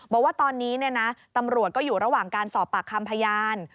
บอกว่าตอนนี้ตำรวจก็อยู่ระหว่างการสอบปากคำพยาน